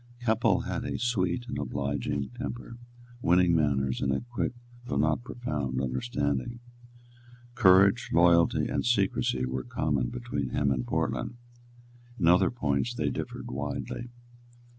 Keppel had a sweet and obliging temper, winning manners, and a quick, though not a profound, understanding. Courage, loyalty and secresy were common between him and Portland. In other points they differed widely.